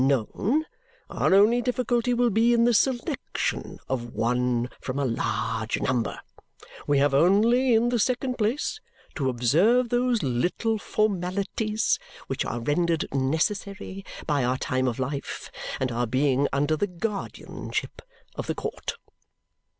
known, our only difficulty will be in the selection of one from a large number. We have only, in the second place, to observe those little formalities which are rendered necessary by our time of life and our being under the guardianship of the court.